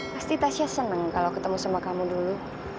pasti tasya senang kalau ketemu sama kamu dulu